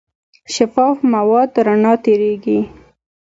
شفاف مواد رڼا تېرېږي.